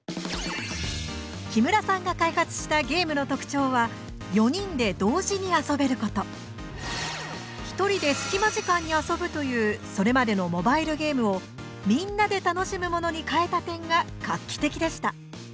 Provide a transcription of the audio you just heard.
木村さんが開発したゲームの特徴はひとりで隙間時間に遊ぶというそれまでのモバイルゲームをみんなで楽しむものに変えた点が画期的でした。